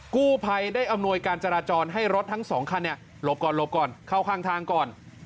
กู้ภัยได้อำนวยการจราจรให้รถทั้งสองคันหลบก่อนหลบก่อนเข้าข้างทางก่อน